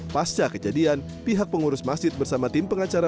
pasca kejadian pihak pengurus masjid bersama tim pengacara